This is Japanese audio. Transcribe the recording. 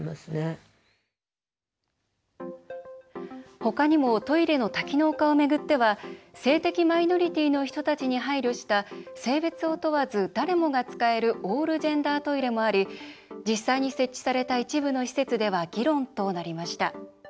他にもトイレの多機能化を巡っては性的マイノリティーの人たちに配慮した性別を問わず誰もが使えるオールジェンダートイレもあり実際に設置された一部の施設では議論となりました。